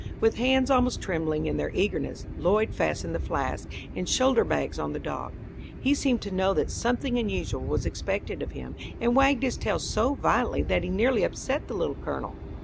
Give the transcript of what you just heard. With hands almost trembling in their eagerness, Lloyd fastened the flask and shoulder bags on the dog. He seemed to know that something unusual was expected of him, and wagged his tail so violently that he nearly upset the Little Colonel.